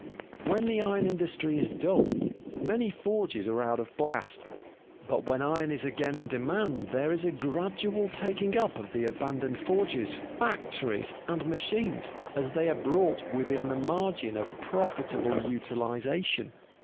When the iron industry is dull, many forges are out of blast; but when iron is again in demand, there is a gradual taking up of the abandoned forges, factories, and machines as they are brought within the margin of profitable utilization.